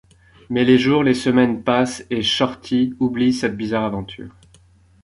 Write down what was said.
Mais les jours, les semaines passent, et Shorty oublie cette bizarre aventure.